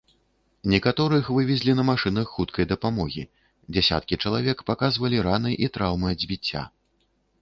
Некаторых вывезлі на машынах хуткай дапамогі, дзясяткі чалавек паказвалі раны і траўмы ад збіцця.